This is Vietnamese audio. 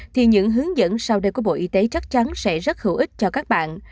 thì những hướng dẫn sau đây của bộ y tế chắc chắn sẽ rất hữu ích cho các bạn